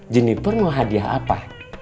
juniper mau hadiah apa